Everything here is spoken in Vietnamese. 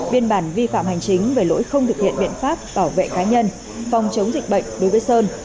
biên bản vi phạm hành chính về lỗi không thực hiện biện pháp bảo vệ cá nhân phòng chống dịch bệnh đối với sơn